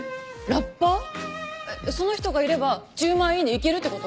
その人がいれば１０万イイネいけるってこと？